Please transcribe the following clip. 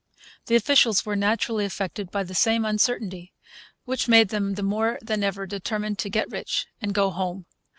The officials were naturally affected by the same uncertainty, which made them more than ever determined to get rich and go home.